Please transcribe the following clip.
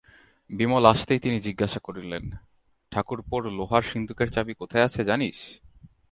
বিমল আসতেই তিনি জিজ্ঞাসা করলেন, ঠাকুরপোর লোহার সিন্দুকের চাবি কোথায় আছে জানিস?